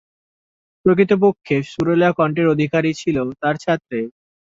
প্রকৃত পক্ষে, সুরেলা কণ্ঠের অধিকারী ছিল তার ছাত্রী।